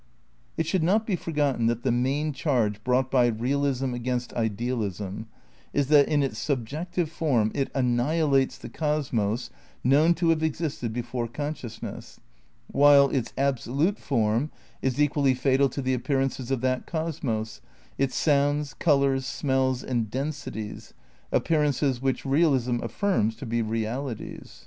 It should not be forgotten that the main charge brought by realism against idealism is that in its sub jective form it annihilates the cosmos known to have existed before consciousness, while its absolute form is equally fatal to the appearances of that cosmos, its sounds, colours, smells and densities; appearances which realism affirms to be realities.